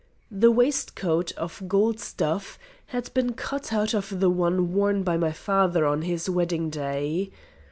The waistcoat, of gold stuff, had been cut out of the one worn by my father on his wedding day.